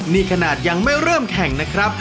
นี่ขนาดยังไม่เริ่มแข่งนะครับ